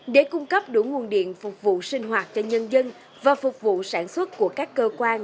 để cung cấp đủ nguồn điện phục vụ sinh hoạt cho nhân dân và phục vụ sản xuất của các cơ quan